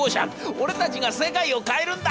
俺たちが世界を変えるんだ！』。